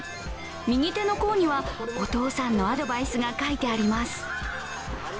右手の甲にはお父さんのアドバイスが書いてあります。